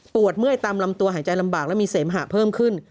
เมื่อยตามลำตัวหายใจลำบากและมีเสมหะเพิ่มขึ้น